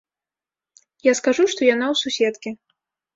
Я скажу, што яна ў суседкі.